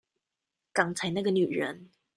剛才那個女人